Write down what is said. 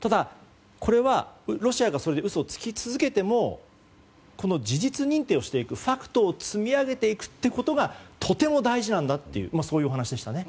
ただ、これはロシアがそういう嘘をつき続けてもこの事実認定をしていくファクトを積み上げていくということがとても大事なんだというお話でしたね。